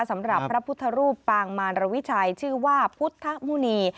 สำหรับพระพุทธรูปปางมารวิชัยชื่อว่าพุทธมุณี